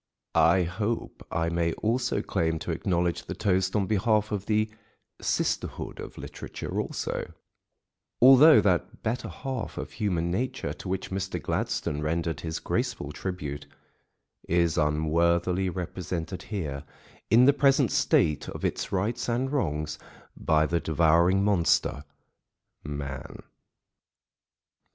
I hope I may also claim to acknowledge the toast on behalf of the sisterhood of literature also, although that "better half of human nature," to which Mr. Gladstone rendered his graceful tribute, is unworthily represented here, in the present state of its rights and wrongs, by the devouring monster, man.